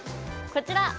こちら！